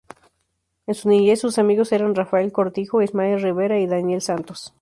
En su niñez sus amigos eran Rafael Cortijo, Ismael Rivera y Daniel Santos.